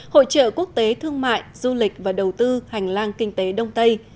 hội trợ quốc tế thương mại du lịch và đầu tư hành lang kinh tế đông tây